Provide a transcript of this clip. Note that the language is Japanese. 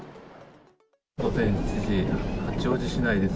午前７時、八王子市内です。